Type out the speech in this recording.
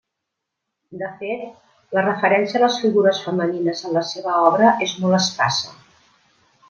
De fet, la referència a les figures femenines en la seva obra és molt escassa.